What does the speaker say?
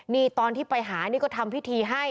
นี่ตอนที่ไปหานี่ก็ทำพิธีให้